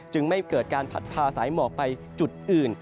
ไม่เกิดการผัดพาสายหมอกไปจุดอื่น